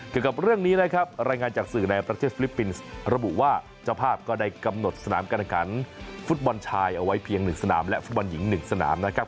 เกี่ยวกับเรื่องนี้นะครับรายงานจากสื่อในประเทศฟิลิปปินส์ระบุว่าเจ้าภาพก็ได้กำหนดสนามการแข่งขันฟุตบอลชายเอาไว้เพียง๑สนามและฟุตบอลหญิง๑สนามนะครับ